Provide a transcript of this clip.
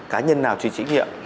cá nhân nào truyền trí nghiệm